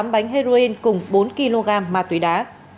tám bánh heroin cùng bốn kg ma túy đá